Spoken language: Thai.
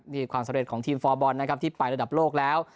นี่ความสำเร็จของทีมฟอร์บอลนะครับที่ไประดับโลกแล้ว